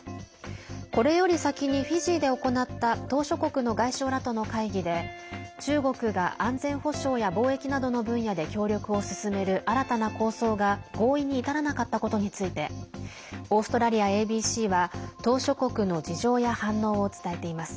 これより先にフィジーで行った島しょ国の外相らとの会議で中国が安全保障や貿易などの分野で協力を進める新たな構想が合意に至らなかったことについてオーストラリアＡＢＣは島しょ国の事情や反応を伝えています。